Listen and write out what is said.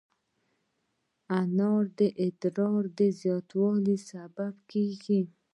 انار د ادرار د زیاتوالي سبب کېږي.